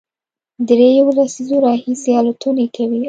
درېیو لسیزو راهیسې الوتنې کوي،